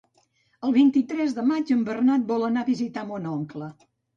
El vint-i-tres de maig en Bernat vol anar a visitar mon oncle.